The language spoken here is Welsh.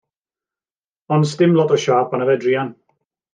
Ond 's dim lot o siâp arno fe, druan.